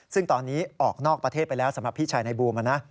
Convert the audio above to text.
ซึ่งตอนนี้ออกนอกประเทศไปแล้วสำหรับพี่ชายในบูม